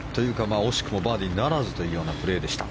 惜しくもバーディーならずというプレーでした。